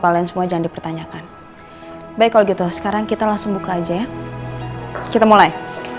kalian semua jangan dipertanyakan baik kalau gitu sekarang kita langsung buka aja ya kita mulai